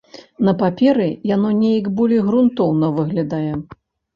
На паперы яно неяк болей грунтоўна выглядае.